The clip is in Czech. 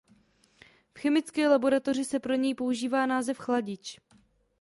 V chemické laboratoři se pro něj používá název chladič.